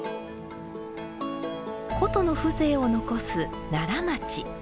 古都の風情を残す奈良町。